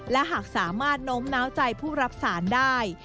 และหากสามารถโน้มน้าวใจผู้รับสารได้